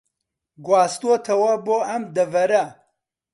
گواستووەتەوە بۆ ئەم دەڤەرە